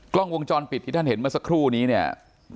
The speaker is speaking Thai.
กล้องวงจรปิดที่ท่านเห็นเมื่อสักครู่นี้เนี่ย